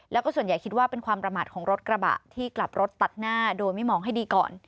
แล้วก็ส่วนใหญ่คิดว่าเป็นความประมาทของรถกระบะที่กลับรถตัดหน้าโดยไม่มองให้ดีก่อน